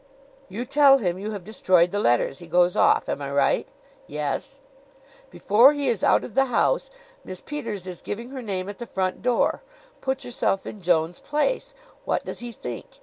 "You tell him you have destroyed the letters. He goes off. Am I right?" "Yes." "Before he is out of the house Miss Peters is giving her name at the front door. Put yourself in Jones' place. What does he think?